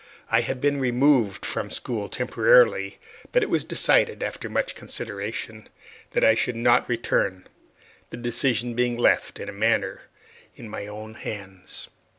I had been removed from school temporarily, but it was decided, after much consideration, that I should not return, the decision being left, in a manner, in my own hands.